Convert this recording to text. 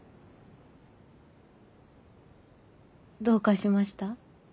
どうかしました？